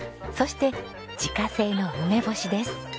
そして自家製の梅干しです。